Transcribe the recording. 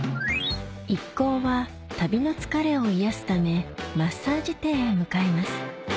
一行は旅の疲れを癒やすためマッサージ店へ向かいます